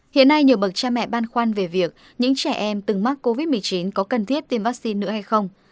hiện nay nhiều bậc cha mẹ băn khoăn về việc những trẻ em từng mắc covid một mươi chín có cần thiết tiêm vaccine nữa hay không